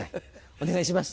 お願いします。